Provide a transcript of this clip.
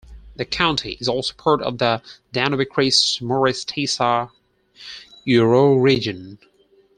The county is also part of the Danube-Kris-Mures-Tisa euroregion.